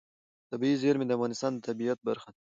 طبیعي زیرمې د افغانستان د طبیعت برخه ده.